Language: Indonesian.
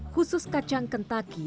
khusus kacang kentaki